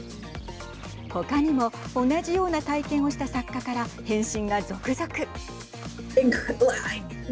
他にも同じような体験をした作家から返信が続々。